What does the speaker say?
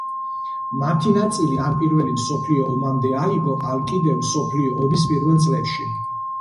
მათი ნაწილი ან პირველ მსოფლიო ომამდე აიგო, ან კიდევ მსოფლიო ომის პირველ წლებში.